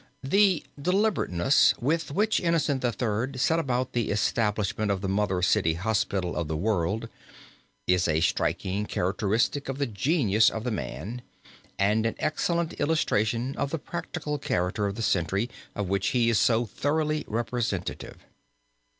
The deliberateness with which Innocent III. set about the establishment of the mother city hospital of the world, is a striking characteristic of the genius of the man and an excellent illustration of the practical character of the century of which he is so thoroughly representative.